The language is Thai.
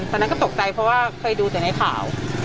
ตอนนั้นก็ตกใจเพราะว่าเคยดูแต่ในข่าว